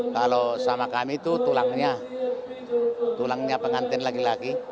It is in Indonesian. kalau sama kami itu tulangnya tulangnya pengantin laki laki